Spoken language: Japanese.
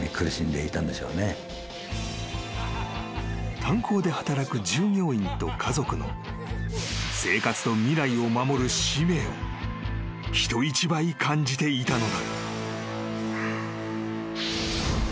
［炭鉱で働く従業員と家族の生活と未来を守る使命を人一倍感じていたのだ］